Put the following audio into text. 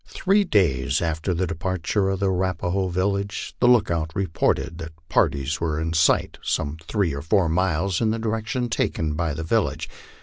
Three days after the departure of the Arapaho village, the lookout reported that parties were in sight some three or four miles in the direction taken by the village.